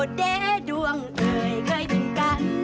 โอดะดวงเอยค่อยเป็นกัน